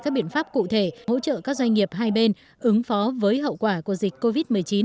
các biện pháp cụ thể hỗ trợ các doanh nghiệp hai bên ứng phó với hậu quả của dịch covid một mươi chín